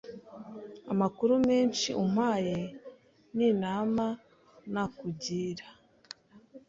Amakuru menshi umpaye, ninama nakugira.